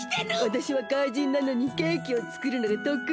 わたしは怪人なのにケーキをつくるのがとくい！